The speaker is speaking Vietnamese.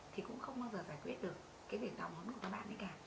thì cũng không bao giờ giải quyết được cái việc táo bón của các bạn ấy cả